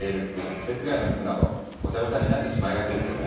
季節外の服などゴチャゴチャになってしまいがちですよね。